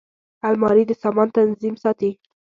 الماري د سامان تنظیم ساتي